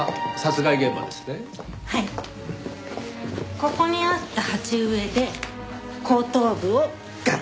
ここにあった鉢植えで後頭部をガンッ！